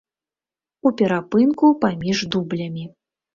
У перапынку паміж дублямі.